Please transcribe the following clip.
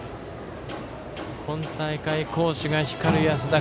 今大会、好守が光る安田。